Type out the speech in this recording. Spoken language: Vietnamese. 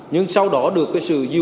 nhưng sau đó được sự giải quyết